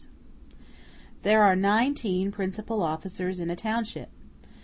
] There are nineteen principal officers in a township.